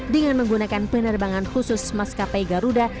dengan menggunakan penerbangan khusus maska p garuda